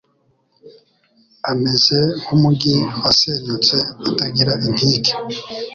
ameze nk’umugi wasenyutse utagira inkike